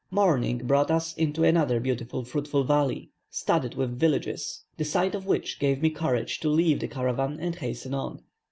Morning brought us into another beautiful fruitful valley, studded with villages, the sight of which gave me courage to leave the caravan, and hasten on.